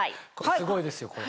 すごいですよこれ。